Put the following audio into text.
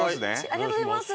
ありがとうございます。